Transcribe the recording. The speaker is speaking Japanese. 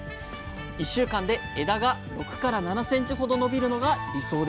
１週間で枝が６７ｃｍほど伸びるのが理想です。